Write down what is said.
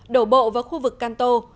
đổ bộ vào khu vực kanto